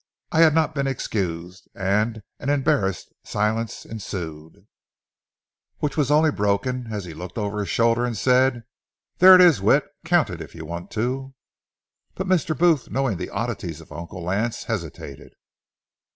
I had not been excused, and an embarrassing silence ensued, which was only broken as he looked over his shoulder and said: "There it is, Whit; count it if you want to." But Mr. Booth, knowing the oddities of Uncle Lance, hesitated.